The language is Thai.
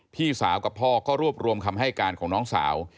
พี่สาวกับพ่อก็รวบรวมคำให้การของน้องสาว